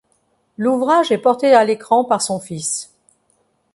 L'ouvrage est porté à l'écran par son fils.